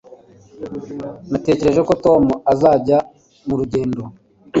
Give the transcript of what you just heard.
Natekereje ko Tom azajya murugendo